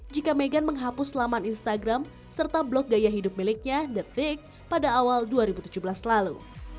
jika meghan menghapus laman instagram serta blok gaya hidup miliknya the fake pada awal dua ribu tujuh belas lalu